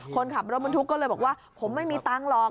คนขับรถบรรทุกก็เลยบอกว่าผมไม่มีตังค์หรอก